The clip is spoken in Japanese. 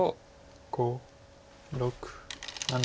５６７。